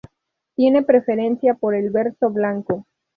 Tiene preferencia por el verso blanco.